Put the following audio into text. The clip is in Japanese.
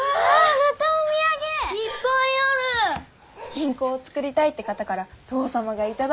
銀行を作りたいって方から父さまが頂いたの。